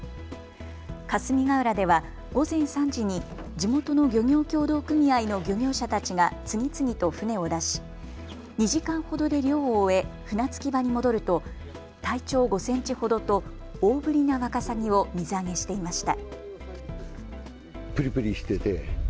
霞ヶ浦では午前３時に地元の漁業協同組合の漁業者たちが次々と船を出し２時間ほどで漁を終え船着き場に戻ると体長５センチほどと大ぶりなワカサギを水揚げしていました。